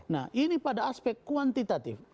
nah ini pada aspek kuantitatif